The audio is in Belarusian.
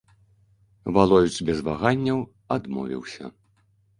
Валовіч без ваганняў адмовіўся.